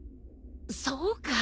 そうか！